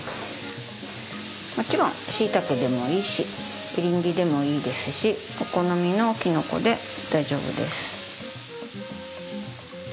もちろんしいたけでもいいしエリンギでもいいですしお好みのきのこで大丈夫です。